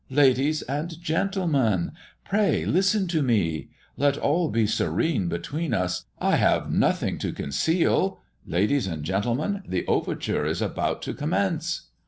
"Ladies and gentlemen, pray listen to me. Let all be serene between us. I have nothing to conceal. Ladies and gentlemen, the overture is about to commence!"